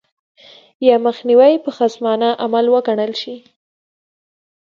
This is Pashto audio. یا مخنیوی به خصمانه عمل وګڼل شي.